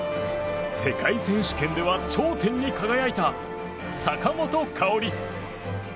世界選手権では頂点に輝いた坂本花織。